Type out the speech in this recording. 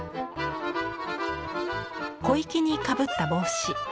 小粋にかぶった帽子。